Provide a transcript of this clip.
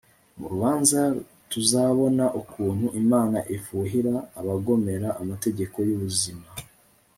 mu rubanza tuzabona ukuntu imana ifuhira abagomera amategeko y'ubuzima